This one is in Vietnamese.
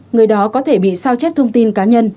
người đó có thể bị sao chép thông tin cá nhân